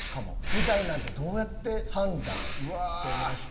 みたいなんってどうやって判断してました？